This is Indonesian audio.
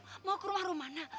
oh mau ke rumah rumana